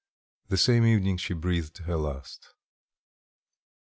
The same evening she breathed her last.